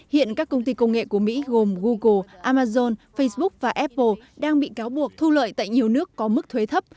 hiện các công ty công nghệ của mỹ gồm google amazon facebook và apple đang bị cáo buộc thu lợi tại nhiều nước có mức thuế thấp